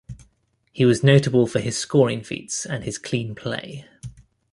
He was notable for his scoring feats and his clean play.